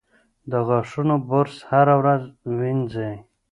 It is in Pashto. د غاښونو برس هره ورځ وینځئ.